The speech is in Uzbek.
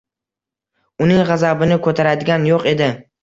Uning gʻazabini koʻtaradigan yoʻq edi.